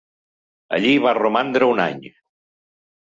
Allí va romandre un any.